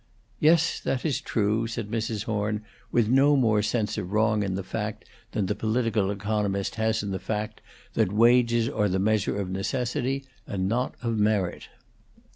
"Yes, that is true," said Mrs. Horn, with no more sense of wrong in the fact than the political economist has in the fact that wages are the measure of necessity and not of merit.